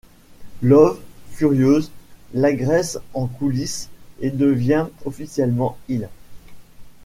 Love, furieuse, l'agresse en coulisses et devient officiellement heel.